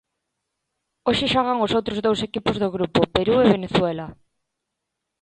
Hoxe xogan os outros dous equipos do grupo, Perú e Venezuela.